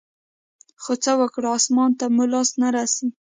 خو څه وكړو اسمان ته مو لاس نه رسي.